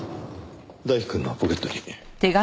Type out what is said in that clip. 大樹くんのポケットに。